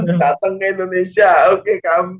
datang ke indonesia oke kamu